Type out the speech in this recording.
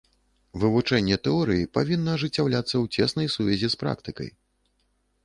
Вывучэнне тэорыі павінна ажыццяўляцца ў цеснай сувязі з практыкай.